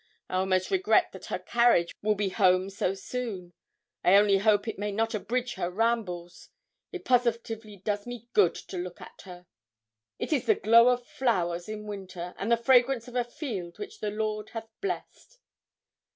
I almost regret that her carriage will be home so soon. I only hope it may not abridge her rambles. It positively does me good to look at her. It is the glow of flowers in winter, and the fragrance of a field which the Lord hath blessed.'